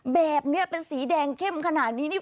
แบบนี้เป็นสีแดงเข้มขนาดนี้นี่